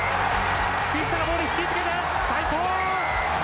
フィフィタがボール引きつけて齋藤！